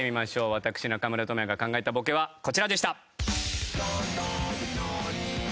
私中村倫也が考えたボケはこちらでした！